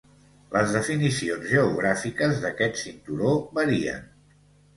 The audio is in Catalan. Les definicions geogràfiques d'aquest cinturó varien.